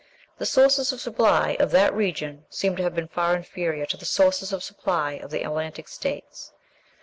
The sources of supply of that region seem to have been far inferior to the sources of supply of the Atlantic States.